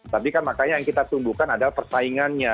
tapi kan makanya yang kita tumbuhkan adalah persaingannya